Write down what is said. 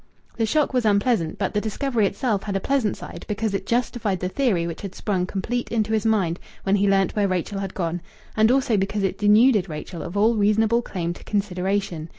The shock was unpleasant, but the discovery itself had a pleasant side, because it justified the theory which had sprung complete into his mind when he learnt where Rachel had gone, and also because it denuded Rachel of all reasonable claim to consideration.